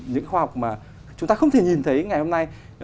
những khoa học mà chúng ta không thể nhìn thấy ngày hôm nay